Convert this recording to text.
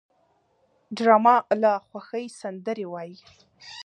ډرامه له خوښۍ سندرې وايي